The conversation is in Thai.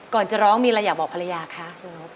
ก่อนจะร้องมีอะไรอย่าบอกภรรยาค่ะ